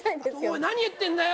おい何言ってんだよ！